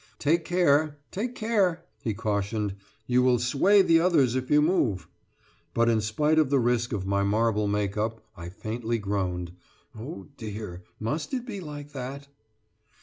"Take care take care!" he cautioned. "You will sway the others if you move!" But in spite of the risk of my marble makeup I faintly groaned: "Oh dear! must it be like that?"